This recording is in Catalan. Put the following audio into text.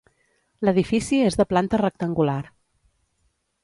L'edifici és de planta rectangular.